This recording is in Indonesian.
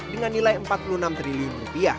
dengan nilai rp empat puluh enam triliun